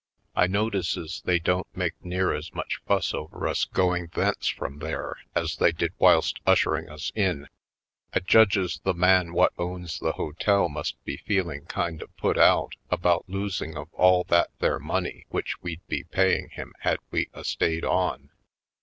I notices they don't make near as much fuss over us going thence from there as they did whilst ushering of us in. I judges the man what owns the hotel must be feeling kind of put out about losing of all that there money which we'd be paying him had we a stayed on.